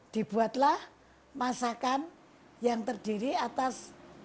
dibuatlah masakan yang terdiri atas